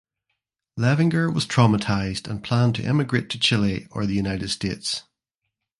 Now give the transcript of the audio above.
Levinger was traumatised and planned to emigrate to Chile or the United States.